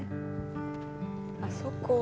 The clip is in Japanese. あそこは。